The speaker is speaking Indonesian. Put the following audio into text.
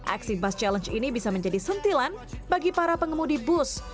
aksi bus challenge ini bisa menjadi sentilan bagi para pengemudi bus